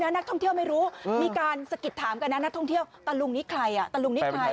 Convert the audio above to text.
ไม่รู้นะนักท่องเที่ยวไม่รู้มีการสะกิดถามกันนะนักท่องเที่ยวตะลุงนี้ใครอ่ะ